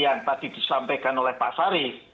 yang tadi disampaikan oleh pak sarif